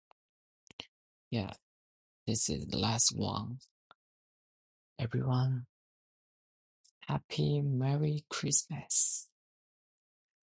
The compound dissolves in water and forms crystalline hydrates as dark green crystals.